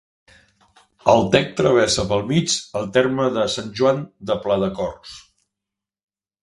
El Tec travessa pel mig el terme de Sant Joan de Pladecorts.